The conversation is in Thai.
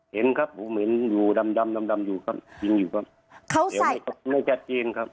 เห็นครับผมเห็นอยู่ดำดำดำดำอยู่ครับยิงอยู่ครับเขาใส่ไม่แจ้งครับ